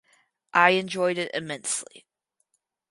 I enjoyed it immensely.